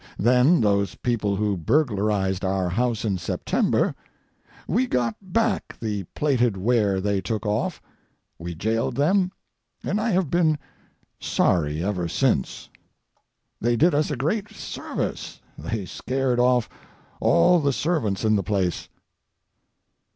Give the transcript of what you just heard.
Then those people who burglarized our house in September—we got back the plated ware they took off, we jailed them, and I have been sorry ever since. They did us a great service they scared off all the servants in the place.